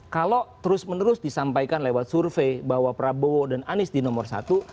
kalau terus menerus disampaikan lewat survei bahwa prabowo dan anies di nomor satu